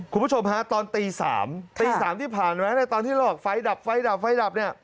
คุณผู้ชมฮะตอนตี๓ตี๓ที่ผ่านแล้วตอนที่เราแบบไฟล์ดับไฟล์ดับไฟล์ดับ